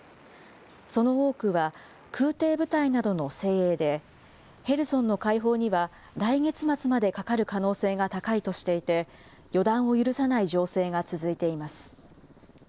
その多くは、空てい部隊などの精鋭で、ヘルソンの解放には来月末までかかる可能性が高いとしていて、予断を許さない情勢が続いています。